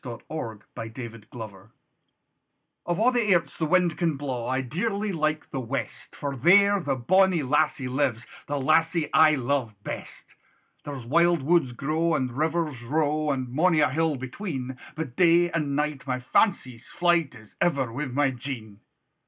Robert Burns Of A' the Airts OF a' the airts the wind can blaw, I dearly like the west, For there the bonnie lassie lives, The lassie I lo'e best: There's wild woods grow, and rivers row, And mony a hill between; But day and night my fancy's flight Is ever wi' my Jean.